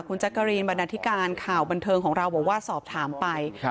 คุณแจ๊กกะรีนบรรดาธิการข่าวบันเทิงของเราบอกว่าสอบถามไป